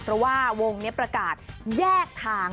เพราะว่าวงนี้ประกาศแยกทาง